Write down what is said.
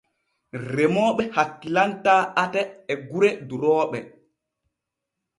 Remooɓe hakkilantaa ate e gure durooɓe.